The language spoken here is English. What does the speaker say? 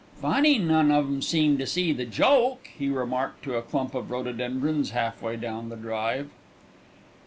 "Funny none of 'em seem to see the joke!" he remarked to a clump of rhododendrons half way down the drive.